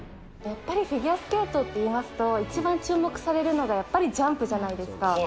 やっぱりフィギュアスケートっていいますと、一番注目されるのが、やっぱりジャンプじゃないですか。